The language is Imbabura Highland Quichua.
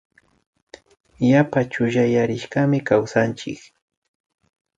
Yapa chullayarishkami kawsanchik